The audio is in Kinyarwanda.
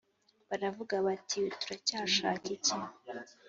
Baravuga bati turacyashakira iki